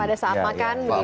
pada saat makan